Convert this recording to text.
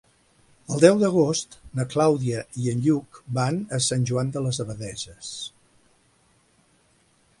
El deu d'agost na Clàudia i en Lluc van a Sant Joan de les Abadesses.